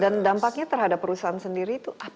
dan dampaknya terhadap perusahaan sendiri itu apa